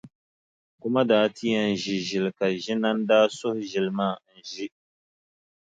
O ma daa ti yɛn ʒi ʒili ka Ʒinani daa suhi ʒili maa n-ʒi.